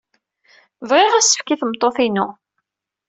Bɣiɣ asefk i tmeṭṭut-inu.